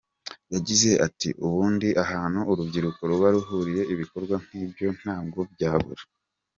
Yagize ati “Ubundi ahantu urubyiruko ruba ruhuriye ibikorwa nk’ibyo ntabwo byabura.